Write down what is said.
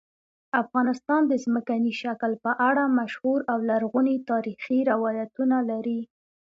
افغانستان د ځمکني شکل په اړه مشهور او لرغوني تاریخی روایتونه لري.